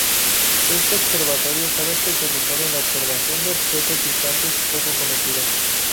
Este observatorio estaba especializado en la observación de objetos distantes, poco conocidos.